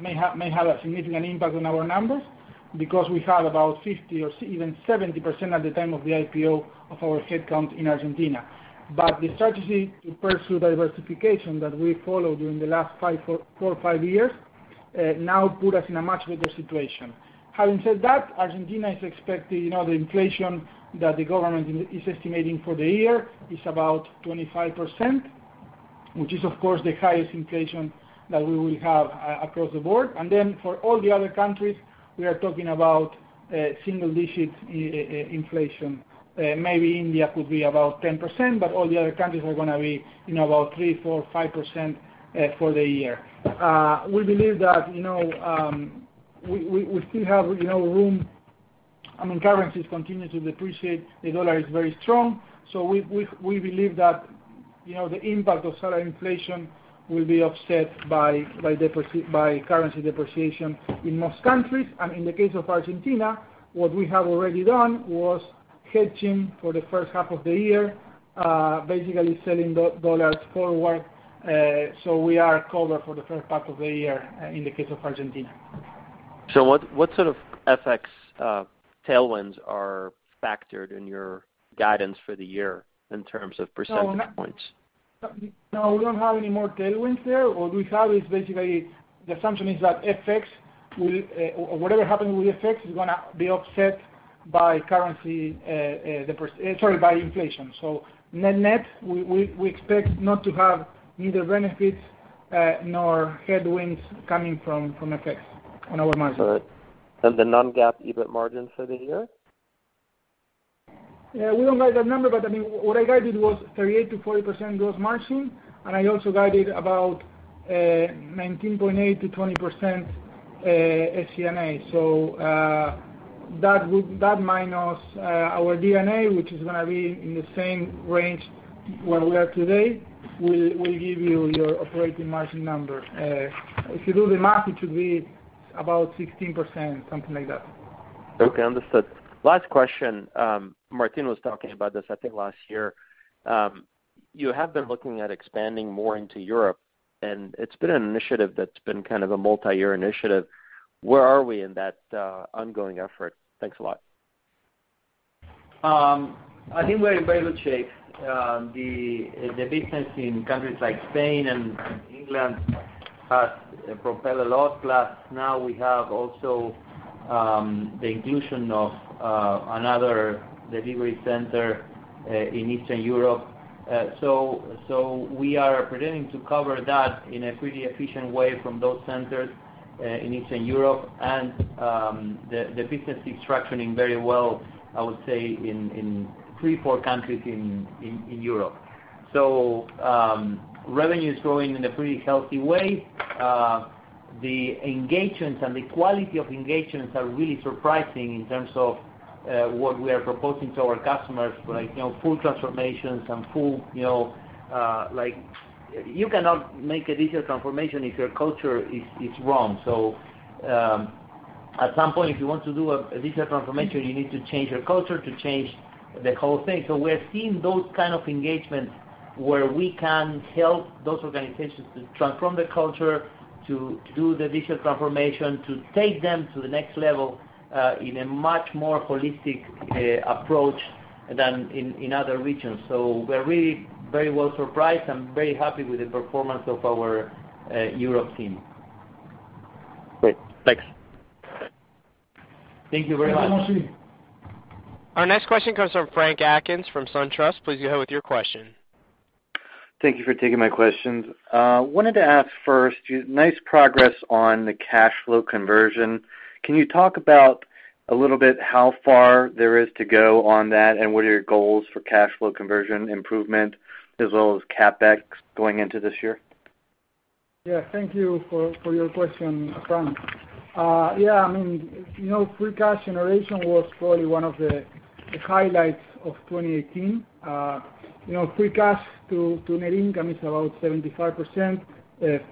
may have a significant impact on our numbers because we had about 50% or even 70% at the time of the IPO of our headcount in Argentina. The strategy to pursue diversification that we followed during the last four or five years, now put us in a much better situation. Having said that, Argentina is expecting the inflation that the government is estimating for the year is about 25%, which is, of course, the highest inflation that we will have across the board. For all the other countries, we are talking about single-digit inflation. Maybe India could be about 10%, all the other countries are gonna be about 3%, 4%, 5% for the year. We believe that we still have room. Currencies continue to depreciate. The dollar is very strong. We believe that the impact of salary inflation will be offset by currency depreciation in most countries. In the case of Argentina, what we have already done was hedging for the first half of the year, basically selling dollars forward. We are covered for the first half of the year in the case of Argentina. What sort of FX tailwinds are factored in your guidance for the year in terms of percentage points? No, we don't have any more tailwinds there. What we have is basically, the assumption is that FX, or whatever happened with FX, is gonna be offset by inflation. Net, we expect not to have neither benefits nor headwinds coming from FX on our margin. All right. The non-GAAP EBIT margin for the year? Yeah, we don't guide that number, what I guided was 38%-40% gross margin, I also guided about 19.8%-20% SG&A. That minus our D&A, which is gonna be in the same range where we are today, will give you your operating margin number. If you do the math, it should be about 16%, something like that. Okay, understood. Last question. Martín was talking about this, I think, last year. You have been looking at expanding more into Europe, it's been an initiative that's been kind of a multi-year initiative. Where are we in that ongoing effort? Thanks a lot. I think we're in very good shape. The business in countries like Spain and England has propelled a lot. Now we have also the inclusion of another delivery center in Eastern Europe. We are pretending to cover that in a pretty efficient way from those centers in Eastern Europe and the business is structuring very well, I would say, in three, four countries in Europe. Revenue is growing in a pretty healthy way. The engagements and the quality of engagements are really surprising in terms of what we are proposing to our customers, like full transformations and full. You cannot make a digital transformation if your culture is wrong. At some point, if you want to do a digital transformation, you need to change your culture to change the whole thing. We are seeing those kind of engagements where we can help those organizations to transform their culture, to do the digital transformation, to take them to the next level, in a much more holistic approach than in other regions. We are really very well surprised and very happy with the performance of our Europe team. Great. Thanks. Thank you very much. Thank you, Moshe. Our next question comes from Frank Atkins from SunTrust. Please go ahead with your question. Thank you for taking my questions. Wanted to ask first, nice progress on the cash flow conversion. Can you talk about, a little bit, how far there is to go on that, and what are your goals for cash flow conversion improvement as well as CapEx going into this year? Yeah. Thank you for your question, Frank. Yeah, free cash generation was probably one of the highlights of 2018. Free cash to net income is about 75%.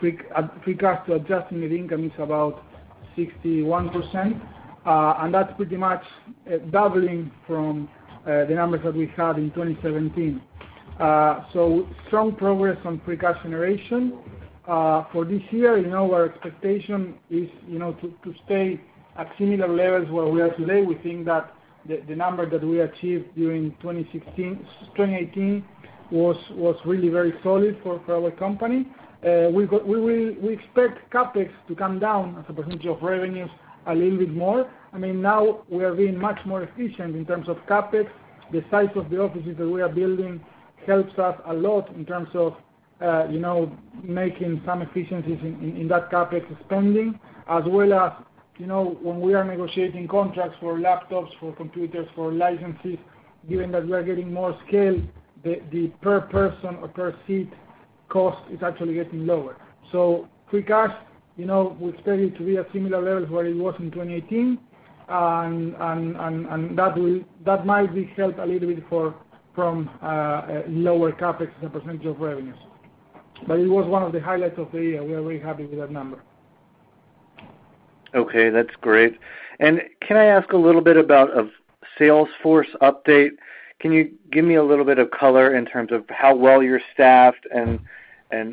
Free cash to adjusted net income is about 61%, and that's pretty much doubling from the numbers that we had in 2017. Strong progress on free cash generation. For this year, our expectation is to stay at similar levels where we are today. We think that the number that we achieved during 2018 was really very solid for our company. We expect CapEx to come down as a percentage of revenues a little bit more. Now we are being much more efficient in terms of CapEx. The size of the offices that we are building helps us a lot in terms of making some efficiencies in that CapEx spending. As well as when we are negotiating contracts for laptops, for computers, for licenses, given that we are getting more scale, the per person or per seat cost is actually getting lower. Free cash, we expect it to be at similar levels where it was in 2018, and that might be helped a little bit from lower CapEx as a percentage of revenues. It was one of the highlights of the year. We are very happy with that number. Okay, that's great. Can I ask a little bit about a sales force update? Can you give me a little bit of color in terms of how well you're staffed and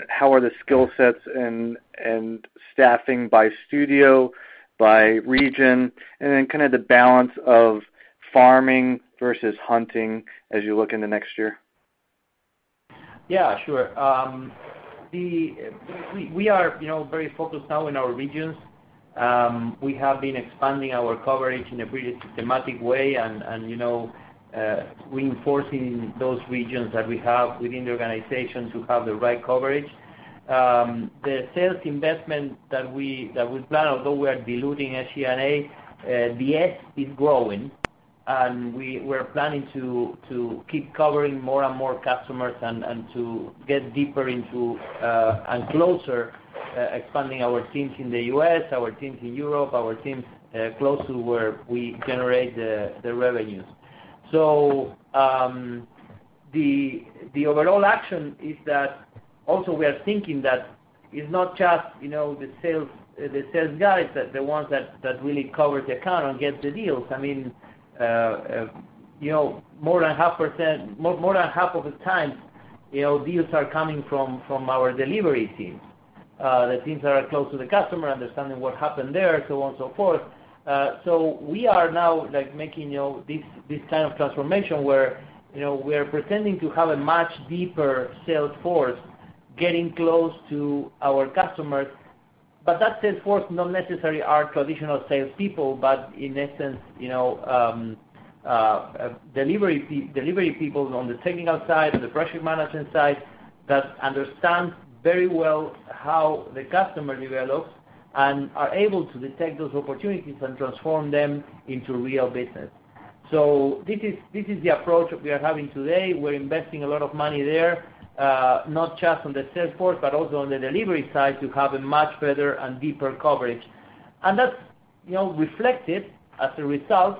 how are the skill sets and staffing by studio, by region, and then the balance of farming versus hunting as you look in the next year? Yeah, sure. We are very focused now in our regions. We have been expanding our coverage in a pretty systematic way and reinforcing those regions that we have within the organization to have the right coverage. The sales investment that we plan, although we are diluting SG&A, the S is growing, and we're planning to keep covering more and more customers and to get deeper into, and closer expanding our teams in the U.S., our teams in Europe, our teams close to where we generate the revenues. The overall action is that also we are thinking that it's not just the sales guys that the ones that really cover the account and get the deals. More than half of the time, deals are coming from our delivery teams. The teams that are close to the customer, understanding what happened there, so on and so forth. We are now making this kind of transformation where we are pretending to have a much deeper sales force getting close to our customers. That sales force not necessarily are traditional salespeople, but in essence, delivery people on the technical side, on the project management side, that understand very well how the customer develops and are able to detect those opportunities and transform them into real business. This is the approach that we are having today. We're investing a lot of money there, not just on the sales force, but also on the delivery side to have a much better and deeper coverage. That's reflected as a result,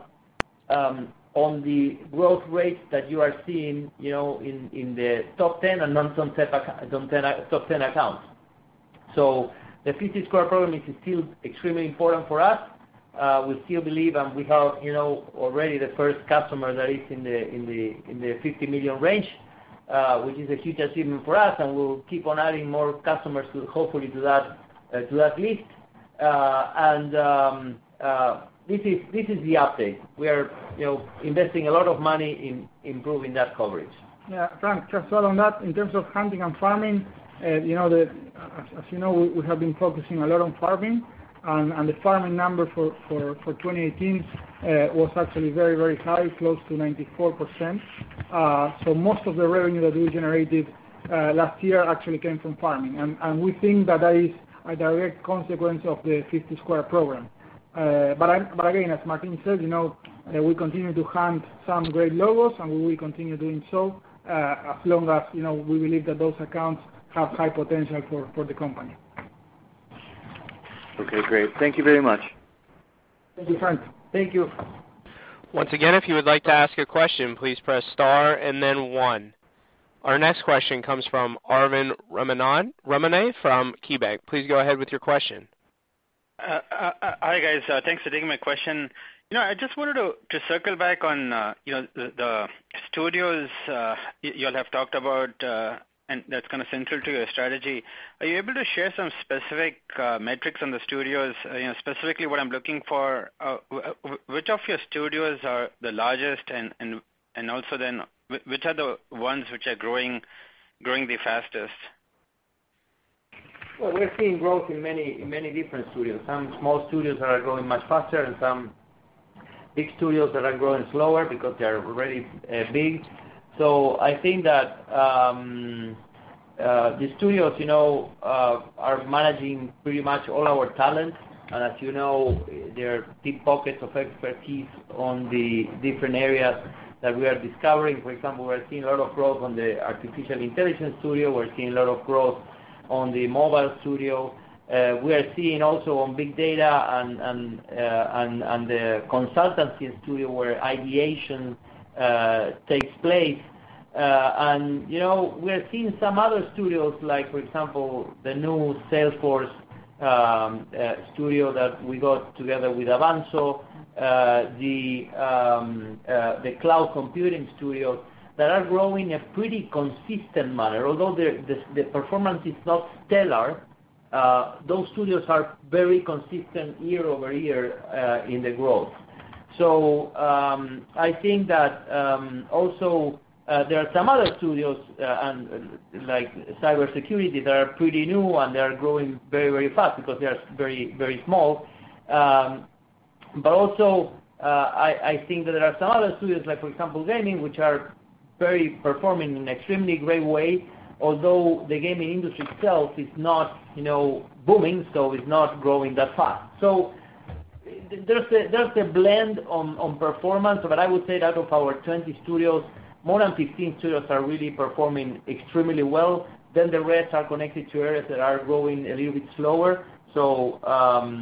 on the growth rates that you are seeing in the top 10 accounts. The 50-Squared program is still extremely important for us. We still believe, we have already the first customer that is in the $50 million range, which is a huge achievement for us, we'll keep on adding more customers to hopefully to that list. This is the update. We are investing a lot of money in improving that coverage. Yeah, Frank, just to follow on that, in terms of hunting and farming, as you know, we have been focusing a lot on farming and the farming number for 2018 was actually very, very high, close to 94%. Most of the revenue that we generated last year actually came from farming, and we think that is a direct consequence of the 50-Squared program. Again, as Martín said, we continue to hunt some great logos and we will continue doing so as long as we believe that those accounts have high potential for the company. Okay, great. Thank you very much. Thank you, Frank. Thank you. Once again, if you would like to ask a question, please press star and then one. Our next question comes from Arvind Ramnani from KeyBanc. Please go ahead with your question. Hi, guys. Thanks for taking my question. I just wanted to circle back on the studios you'll have talked about, that's kind of central to your strategy. Are you able to share some specific metrics on the studios? Specifically what I'm looking for, which of your studios are the largest, also then which are the ones which are growing the fastest? Well, we're seeing growth in many different studios. Some small studios that are growing much faster and some big studios that are growing slower because they're already big. I think that the studios are managing pretty much all our talent. As you know, there are deep pockets of expertise on the different areas that we are discovering. For example, we are seeing a lot of growth on the artificial intelligence studio. We're seeing a lot of growth on the mobile studio. We are seeing also on big data and the Consultancy Studio where ideation takes place. We are seeing some other studios like, for example, the new Salesforce Studio that we got together with Avanxo, the cloud computing studios, that are growing a pretty consistent manner. Although the performance is not stellar, those studios are very consistent year-over-year in the growth. I think that also there are some other studios, like Cybersecurity, that are pretty new and they are growing very, very fast because they are very small. I think that there are some other studios, like for example, gaming, which are performing in extremely great way, although the gaming industry itself is not booming, it's not growing that fast. There's a blend on performance, but I would say out of our 20 studios, more than 15 studios are really performing extremely well. The rest are connected to areas that are growing a little bit slower. For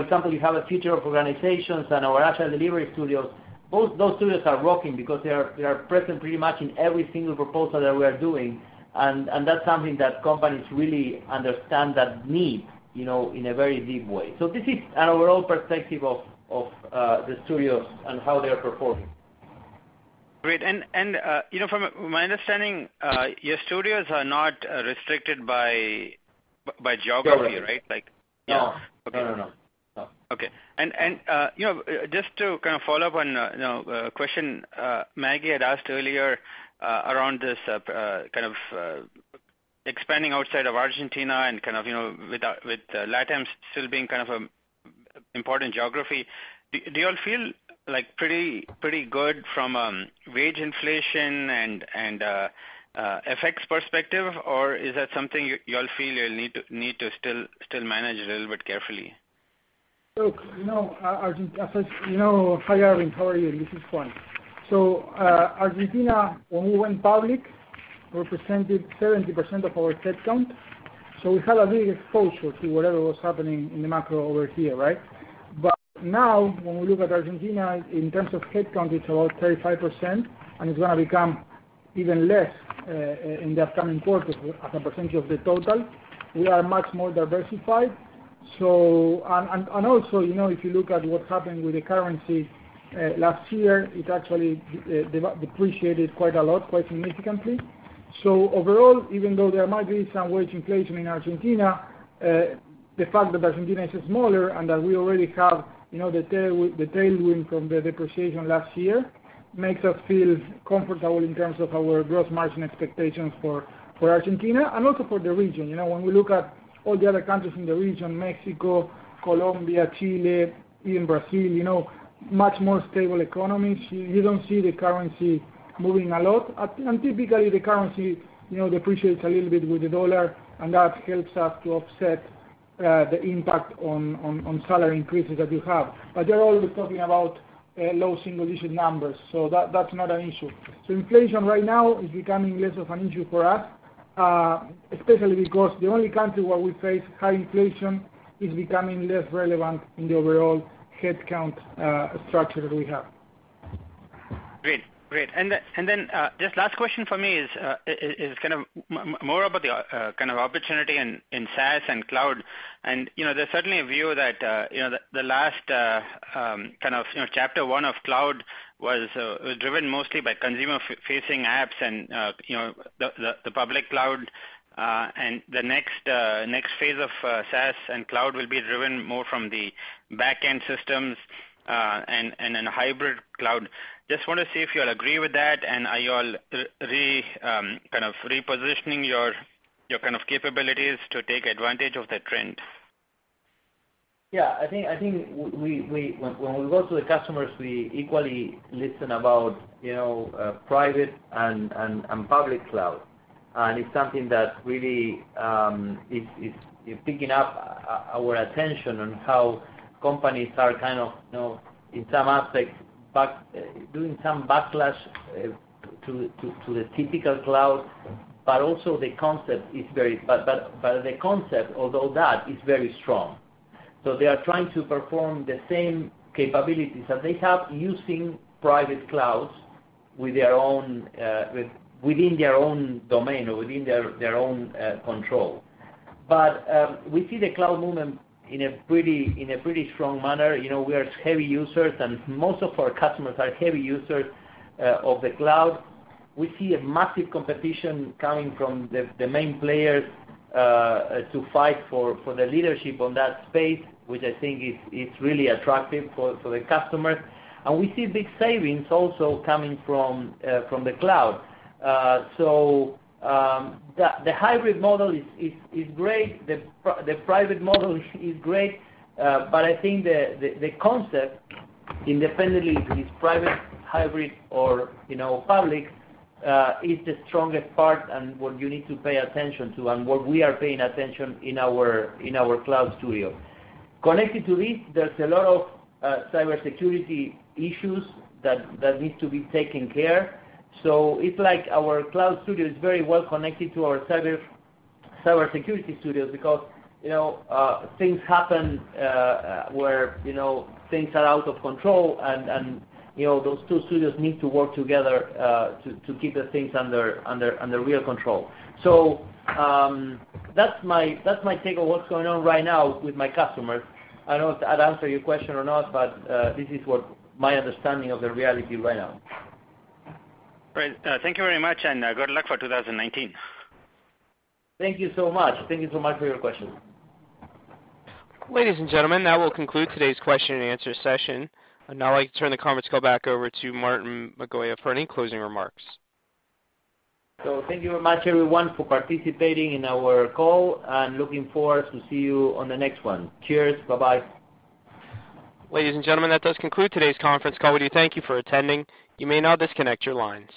example, you have a future of organizations and our Actual Delivery Studios, both those studios are working because they are present pretty much in every single proposal that we are doing, and that's something that companies really understand that need in a very deep way. This is an overall perspective of the studios and how they are performing. Great. From my understanding, your studios are not restricted by geography, right? No. Okay. No. Okay. Just to kind of follow up on a question Maggie had asked earlier around this kind of expanding outside of Argentina and with LATAM still being kind of an important geography, do you all feel pretty good from a wage inflation and effects perspective, or is that something you all feel you'll need to still manage a little bit carefully? Hi, Arvind, how are you? This is Juan. Argentina, when we went public, represented 70% of our headcount. We had a big exposure to whatever was happening in the macro over here, right. Now, when we look at Argentina in terms of headcount, it's about 35% and it's going to become even less in the upcoming quarters as a percentage of the total. We are much more diversified. Also, if you look at what happened with the currency last year, it actually depreciated quite a lot, quite significantly. Overall, even though there might be some wage inflation in Argentina, the fact that Argentina is smaller and that we already have the tailwind from the depreciation last year makes us feel comfortable in terms of our gross margin expectations for Argentina and also for the region. When we look at all the other countries in the region, Mexico, Colombia, Chile, even Brazil, much more stable economies. You don't see the currency moving a lot. Typically, the currency depreciates a little bit with the dollar, and that helps us to offset the impact on salary increases that we have. They're always talking about low single-digit numbers, so that's not an issue. Inflation right now is becoming less of an issue for us, especially because the only country where we face high inflation is becoming less relevant in the overall headcount structure that we have. Great. Then just last question for me is kind of more about the kind of opportunity in SaaS and cloud. There's certainly a view that the last kind of chapter one of cloud was driven mostly by consumer-facing apps and the public cloud. The next phase of SaaS and cloud will be driven more from the back-end systems and in a hybrid cloud. Just want to see if you all agree with that, are you all kind of repositioning your kind of capabilities to take advantage of the trends? Yeah. I think when we go to the customers, we equally listen about private and public cloud. It's something that really is picking up our attention on how companies are, in some aspects, doing some backlash to the typical cloud. The concept, although that, is very strong. They are trying to perform the same capabilities that they have using private clouds within their own domain or within their own control. We see the cloud movement in a pretty strong manner. We are heavy users, and most of our customers are heavy users of the cloud. We see a massive competition coming from the main players to fight for the leadership on that space, which I think is really attractive for the customers. We see big savings also coming from the cloud. The hybrid model is great. The private model is great. I think the concept, independently if it is private, hybrid, or public, is the strongest part and what you need to pay attention to, and what we are paying attention in our Cloud Studio. Connected to this, there's a lot of cybersecurity issues that need to be taken care. It's like our Cloud Studio is very well connected to our Cybersecurity Studios because things happen where things are out of control, and those two studios need to work together to keep the things under real control. That's my take on what's going on right now with my customers. I don't know if that answered your question or not, but this is what my understanding of the reality right now. Great. Thank you very much, and good luck for 2019. Thank you so much. Thank you so much for your question. Ladies and gentlemen, that will conclude today's question and answer session. I'd now like to turn the conference call back over to Martín Migoya for any closing remarks. Thank you very much, everyone, for participating in our call, and looking forward to see you on the next one. Cheers. Bye-bye. Ladies and gentlemen, that does conclude today's conference call. We do thank you for attending. You may now disconnect your lines.